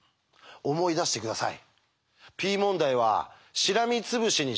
思い出して下さい。